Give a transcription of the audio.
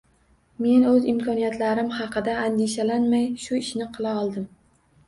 Men oʻz imkoniyatlarim haqida andishalanmay shu ishni qila oldim